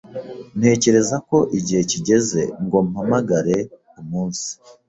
Ntekereza ko igihe kigeze ngo mpamagare umunsi.